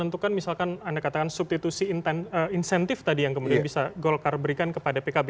menentukan misalkan anda katakan substitusi insentif tadi yang kemudian bisa golkar berikan kepada pkb